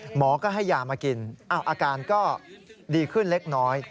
หมอก็ให้ยามากินอาการก็ดีขึ้นเล็กน้อย